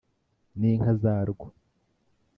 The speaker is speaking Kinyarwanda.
n' inka zá rwo